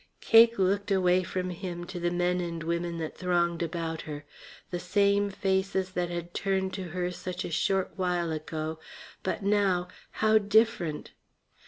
Cake looked away from him to the men and women that thronged about her. The same faces that had turned to her such a short while ago; but now, how different!